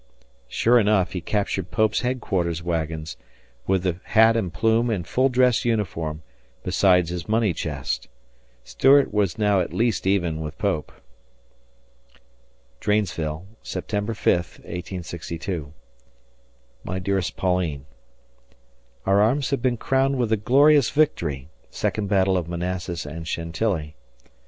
Sure enough, he captured Pope's headquarters wagons, with the hat and plume and full dress uniform, besides his money chest. Stuart was now at least even with Pope. Dranesville, September 5, '62. My dearest Pauline: Our arms have been crowned with a glorious victory [Second Battle of Manassas and Chantilly].